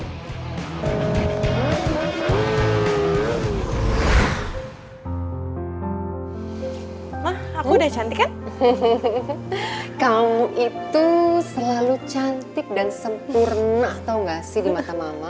mah aku udah cantik kan kamu itu selalu cantik dan sempurna tau gak sih di mata mama